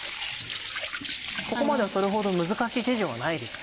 ここまではそれほど難しい手順はないですね。